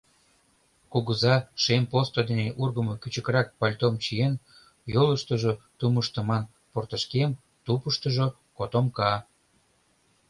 Кугыза шем посто дене ургымо кӱчыкрак пальтом чиен, йолыштыжо тумыштыман портышкем, тупыштыжо — котомка.